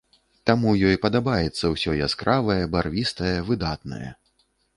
Таму ёй падабаецца ўсё яскравае, барвістае, выдатнае.